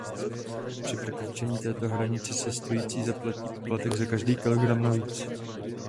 Při překročení této hranice cestující zaplatí poplatek za každý kilogram navíc.